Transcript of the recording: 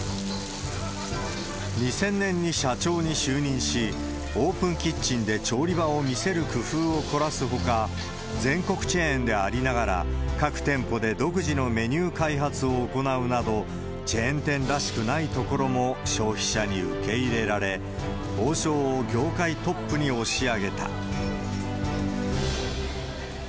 ２０００年に社長に就任し、オープンキッチンで調理場を見せる工夫を凝らすほか、全国チェーンでありながら、各店舗で独自のメニュー開発を行うなど、チェーン店らしくないところも消費者に受け入れられ、王将を業界トップに押し上げた。